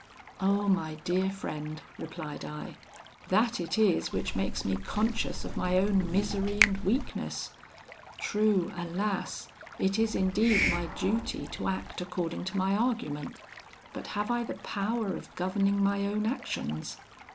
'Oh! my dear friend,' replied I; 'that it is which makes me conscious of my own misery and weakness: true, alas! it is indeed my duty to act according to my argument; but have I the power of governing my own actions?